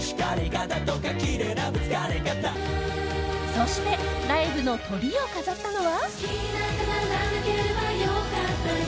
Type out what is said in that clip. そしてライブのトリを飾ったのは。